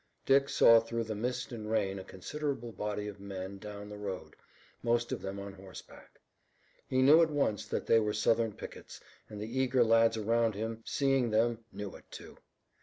Dick saw through the mist and rain a considerable body of men down the road, most of them on horseback. He knew at once that they were Southern pickets, and the eager lads around him, seeing them, knew it, too.